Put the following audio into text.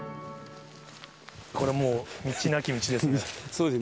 これもう、道なき道ですね。